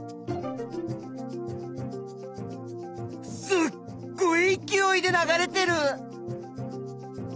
すごいいきおいで流れてる！